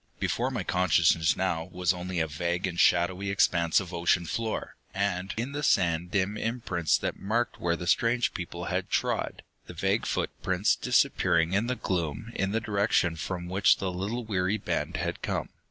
Before my consciousness now was only a vague and shadowy expanse of ocean floor, and in the sand dim imprints that marked where the strange people had trod, the vague footprints disappearing in the gloom in the direction from which the little weary band had come.